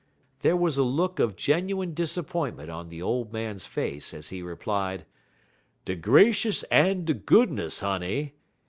There was a look of genuine disappointment on the old man's face, as he replied: "De gracious en de goodness, honey!